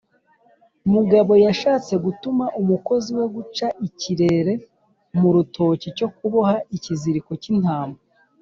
mugabo yashatse gutuma umukozi we guca ikirere mu rutoki cyo kuboha ikiziriko k’intama.